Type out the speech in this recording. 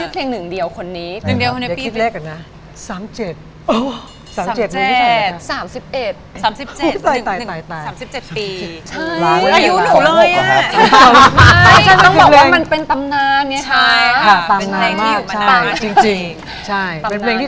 เพียสแพงคือของ๓๖๑๗ปี